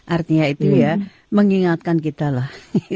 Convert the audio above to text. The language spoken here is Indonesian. artinya itu ya mengingatkan kita lah